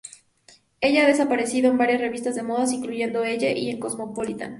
Ella ha aparecido en varias revistas de modas, incluyendo Elle y el Cosmopolitan.